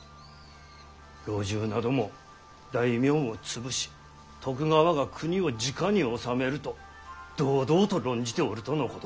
老中なども「大名を潰し徳川が国をじかに治める」と堂々と論じておるとのこと。